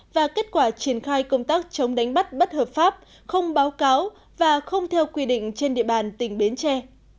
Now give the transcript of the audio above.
và kết quả triển khai công tác chống đánh bắt bất hợp pháp không báo cáo và không theo quy định trên địa bàn tỉnh bến tre